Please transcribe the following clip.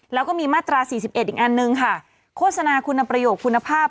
แล้วก็มีมาตรา๔๑อีกอันนึงค่ะโฆษณาคุณประโยชน์คุณภาพ